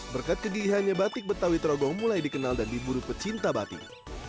berkat kegigihannya batik betawi trogong mulai dikenal dan diburu pecinta batik